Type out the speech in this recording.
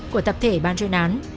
của tập thể ban chơi nán